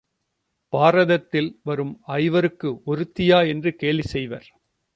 பாரதத்தில் வரும் ஐவருக்கு ஒருத்தியா என்று கேலி செய்வர்.